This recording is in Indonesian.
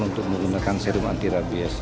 untuk menggunakan serum antirabies